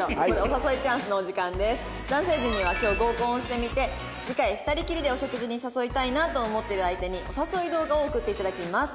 男性陣には今日合コンをしてみて次回２人きりでお食事に誘いたいなと思っている相手にお誘い動画を送って頂きます。